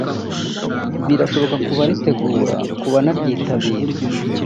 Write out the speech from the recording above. birashoboka ku baritegura kuba naryitabira